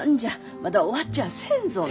まだ終わっちゃあせんぞね。